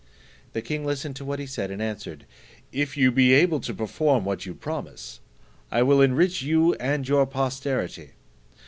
The king listened to what he said, and answered, "If you be able to perform what you promise, I will enrich you and your posterity.